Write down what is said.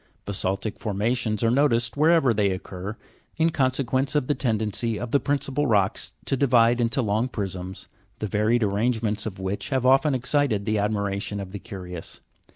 Basa'ltic formations are noticed wherever they occur, in consequence of the tendency of the principal rocks to divide into long prisms, the varied arrangements of which have often excited the admiration of the curious.